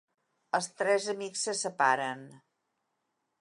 Els tres amics se separen.